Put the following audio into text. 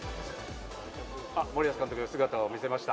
森保監督が姿を見せました。